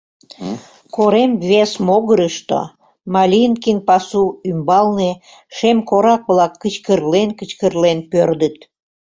Корем вес могырышто, Малинкин пасу ӱмбалне, шем корак-влак кычкырлен-кычкырлен пӧрдыт.